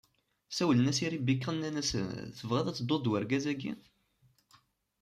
Sawlen i Ribika, nnan-as: Tebɣiḍ ad tedduḍ d urgaz-agi?